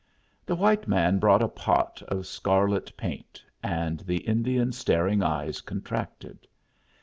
The white man brought a pot of scarlet paint, and the Indian's staring eyes contracted.